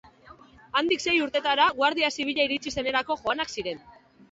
Handik sei ordutara Guardia Zibila iritsi zenerako joanak ziren.